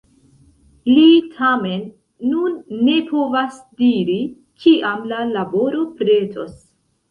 Li tamen nun ne povas diri, kiam la laboro pretos.